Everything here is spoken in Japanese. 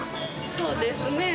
そうですね。